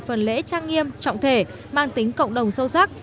phần lễ trang nghiêm trọng thể mang tính cộng đồng sâu sắc